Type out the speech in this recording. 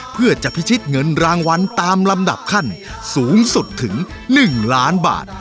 เพื่อจะพิชิตเงินรางวัลตามลำดับขั้นสูงสุดถึง๑ล้านบาท